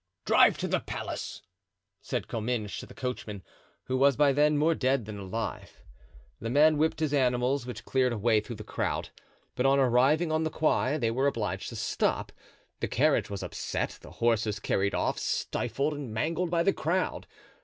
"Drive to the palace," said Comminges to the coachman, who was by then more dead than alive. The man whipped his animals, which cleared a way through the crowd; but on arriving on the Quai they were obliged to stop; the carriage was upset, the horses carried off, stifled, mangled by the crowd.